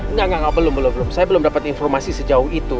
enggak enggak belum belum saya belum dapat informasi sejauh itu